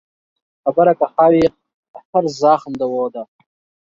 خبره که ښه وي، هر زخم دوا ده.